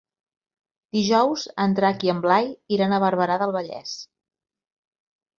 Dijous en Drac i en Blai iran a Barberà del Vallès.